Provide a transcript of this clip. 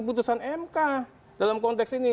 putusan mk dalam konteks ini